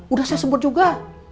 udah saya sebut juga